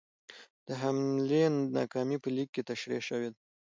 د حملې ناکامي په لیک کې تشرېح شوې ده.